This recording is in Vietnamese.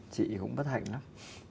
chị cũng bất hạnh lắm